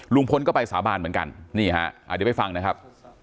ลุงพลก็ไปสาบานเหมือนกันนี่ฮะเดี๋ยวไปฟังนะครับ